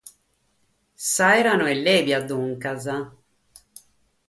S'àera no est lèbia duncas.